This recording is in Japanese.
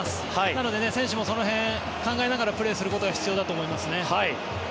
なので選手もその辺、考えながらプレーすることが必要だと思います。